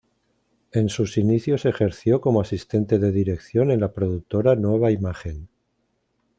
En sus inicios ejerció como asistente de dirección en la productora Nueva Imagen.